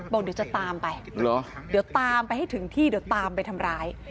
บอกเดี๋ยวจะตามไปเดี๋ยวตามไปให้ถึงที่เดี๋ยวตามไปทำร้าย